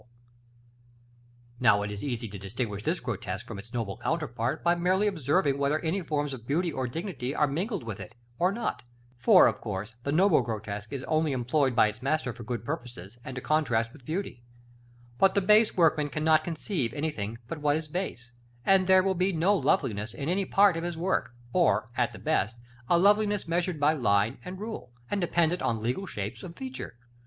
§ LV. Now it is easy to distinguish this grotesque from its noble counterpart, by merely observing whether any forms of beauty or dignity are mingled with it or not; for, of course, the noble grotesque is only employed by its master for good purposes, and to contrast with beauty: but the base workman cannot conceive anything but what is base; and there will be no loveliness in any part of his work, or, at the best, a loveliness measured by line and rule, and dependent on legal shapes of feature.